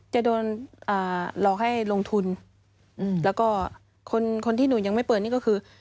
จะโดนหลอกให้ลงทุนแล้วก็คนคนที่หนูยังไม่เปิดนี่ก็คือ